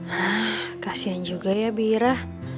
hah kasihan juga ya bira